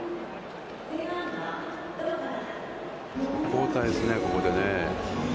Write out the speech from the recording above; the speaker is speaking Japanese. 交代ですね、ここでね。